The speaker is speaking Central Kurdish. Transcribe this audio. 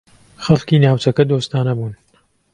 خەڵکی ناوچەکە دۆستانە بوون.